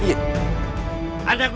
nari rati itu wanita murah